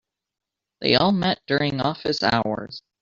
They all met during office hours.